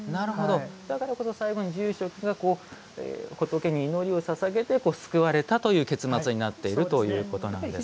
だからこそ最後に住職が仏に祈りをささげて救われたという結末になっているということなんですか。